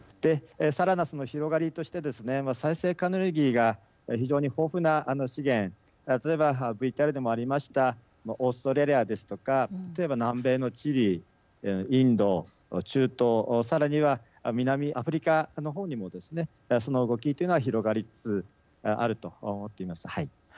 さらにはその広がりとしてですね再生可能エネルギーが非常に豊富な資源例えばＶＴＲでもありましたオーストラリアですとか例えば南米のチリインド、中東さらには南アフリカの方にもですねその動きというのは広がりつつあると思っています。